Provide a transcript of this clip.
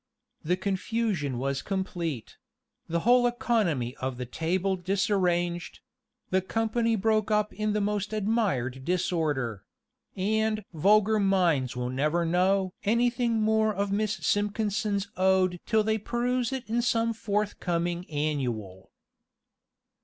The confusion was complete; the whole economy of the table disarranged the company broke up in most admired disorder and "vulgar minds will never know" anything more of Miss Simpkinson's ode till they peruse it in some forthcoming Annual.